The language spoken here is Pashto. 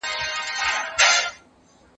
کېدای سي بوټونه ګنده وي؟